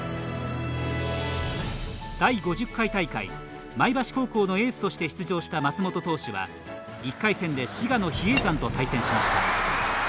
第５０回大会前橋高校のエースとして出場した松本投手は、１回戦で滋賀の比叡山と対戦しました。